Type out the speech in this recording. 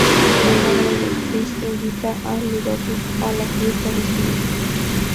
La madre de Cris invita a Ludovic a la fiesta de su hija.